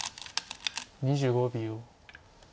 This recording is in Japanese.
２５秒。